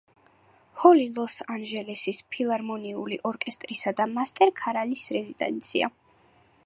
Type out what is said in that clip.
ჰოლი ლოს-ანჟელესის ფილარმონიული ორკესტრისა და მასტერ ქორალის რეზიდენციაა.